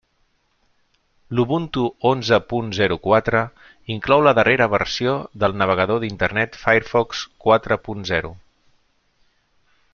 L'Ubuntu onze punt zero quatre inclou la darrera versió del navegador d'Internet Firefox quatre punt zero